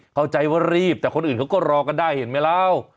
เข้าใจว่ารีบแต่คนอื่นเขาก็รอกันได้เห็นไหมล่ะ